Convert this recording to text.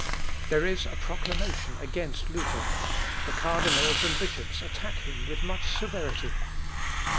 "There is a proclamation against Luther. The cardinals and bishops attack him with much severity.